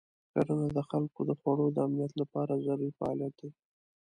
کرنه د خلکو د خوړو د امنیت لپاره ضروري فعالیت دی.